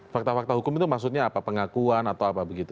fakta fakta hukum itu maksudnya apa pengakuan atau apa begitu